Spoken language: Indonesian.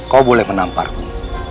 kau boleh menamparku